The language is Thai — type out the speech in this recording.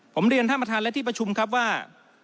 ผมเรียนท่านประธานและที่ประชุมครับว่า